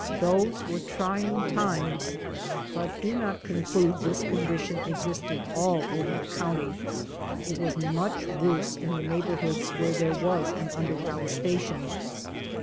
Those were trying times but do not conclude this condition existed all over the county. It was much worse in the neighborhoods where there was an underground station.